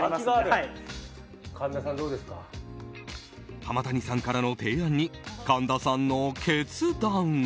浜谷さんからの提案に神田さんの決断は。